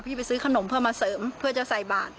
ไปซื้อขนมเพื่อมาเสริมเพื่อจะใส่บาท